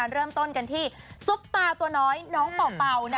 เริ่มต้นกันที่ซุปตาตัวน้อยน้องเป่า